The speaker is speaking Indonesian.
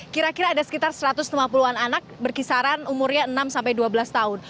kira kira ada sekitar satu ratus lima puluh an anak berkisaran umurnya enam sampai dua belas tahun